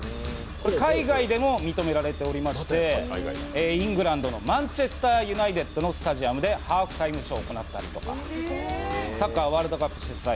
海外でも認められておりましてイングランドのマンチェスター・ユナイテッドのスタジアムでハーフタイムショーを行ったりとかサッカー、ワールドカップ主催